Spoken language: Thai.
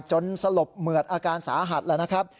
สลบเหมือดอาการสาหัสแล้วนะครับ